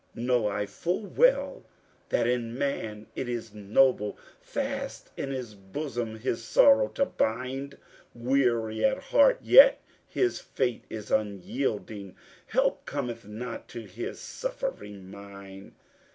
Know I full well that in man it is noble Fast in his bosom his sorrow to bind. Weary at heart, yet his Fate is unyielding Help cometh not to his suffering mind.